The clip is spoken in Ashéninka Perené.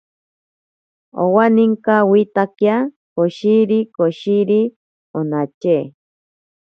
Owaninkawitakia koshiri koshiri onatye.